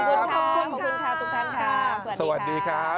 ขอบคุณค่ะสวัสดีครับ